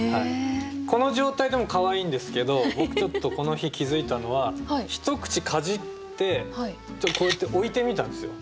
この状態でもかわいいんですけど僕ちょっとこの日気付いたのは一口かじってこうやって置いてみたんですよ。